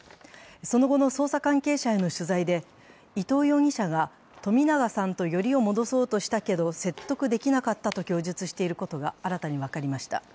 その後の捜査関係者への取材で、伊藤容疑者が冨永さんとよりを戻そうとしたけど説得できなかったと供述していることが新たに分かりました。